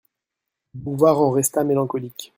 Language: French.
Bouvard en resta mélancolique.